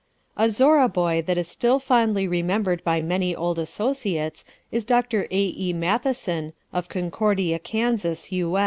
A Zorra boy that is still fondly remembered by many old associates is Dr. A. E. Matheson, of Concordia, Kansas, U.